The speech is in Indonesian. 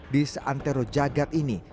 di seantero jagad ini